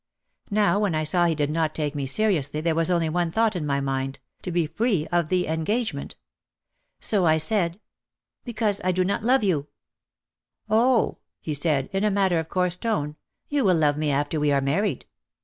Now when I saw he did not take me seriously there was only one thought in my mind, to be free of the engagement. So I said, "Because I do not love you." "Oh," he said, in a matter of course tone, "you will love me after we are married."